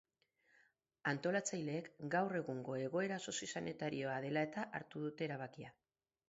Antolatzaileek gaur egungo egoera soziosanitarioa dela-eta hartu dute erabakia.